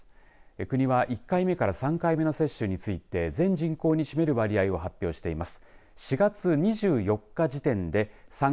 国は１回目から３回目の接種について全人口に占める割合を発表しています。